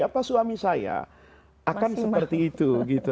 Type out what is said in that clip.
apa suami saya akan seperti itu